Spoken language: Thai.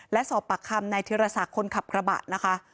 และสอบปากคำนายธิรศักดิ์คนขับกระบะนะคะ